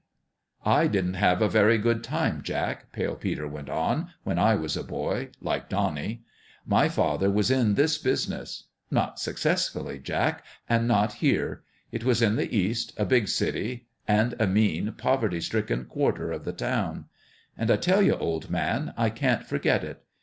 " I didn't have a very good time, Jack," Pale Peter went on, " when I was a boy like Donnie. My father was in this business. Not successfully, Jack. And not here. It was in the East a big city and a mean, poverty stricken quarter of / the town. And I tell you, old man, I can't forget it